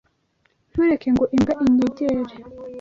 Ntureke ngo imbwa inyegere!